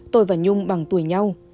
tôi và nhung bằng tuổi nhau